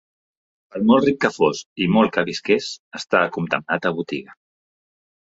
Per molt ric que fos i molt que visqués, estava condemnat a botiga.